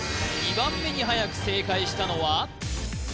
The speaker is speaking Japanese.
２番目にはやく正解したのは？